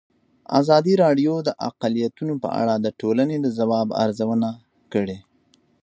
ازادي راډیو د اقلیتونه په اړه د ټولنې د ځواب ارزونه کړې.